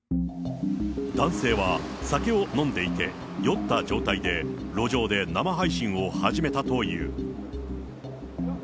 男性は酒を飲んでいて、酔った状態で路上で生配信を始めたという。